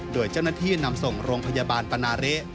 โดยเจ้าหน้าที่นำส่งโรงพยาบาลปนาเละ